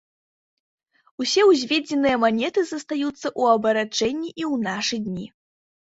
Усе ўведзеныя манеты застаюцца ў абарачэнні і ў нашы дні.